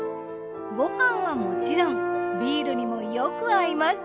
ご飯はもちろんビールにもよく合います。